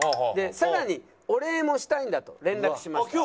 更に「お礼もしたいんだ」と連絡しました。